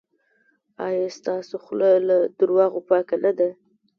ایا ستاسو خوله له درواغو پاکه نه ده؟